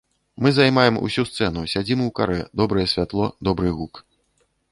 Мы займаем усю сцэну, сядзім у карэ, добрае святло, добры гук.